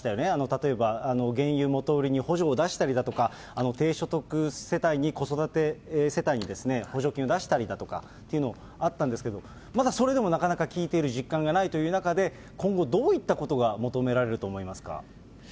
例えば原油元売りに補助を出したりだとか、低所得世帯に、子育て世帯に補助金を出したりだとかというの、あったんですけど、まだそれでもなかなか効いている実感がないという中で、今後、どういったことが求められると思いますか。